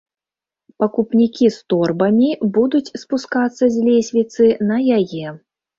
Пакупнікі з торбамі будуць спускацца з лесвіцы на яе.